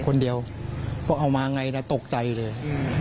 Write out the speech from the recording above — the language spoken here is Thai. คนเดียวก็เอามาไงนะตกใจเลย